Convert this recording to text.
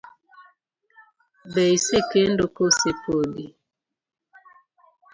Be isekendo kose podi.